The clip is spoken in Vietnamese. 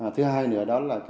thứ hai nữa đó là